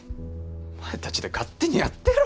お前たちで勝手にやってろよ。